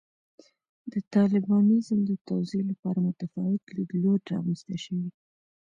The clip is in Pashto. د طالبانیزم د توضیح لپاره متفاوت لیدلوري رامنځته شوي.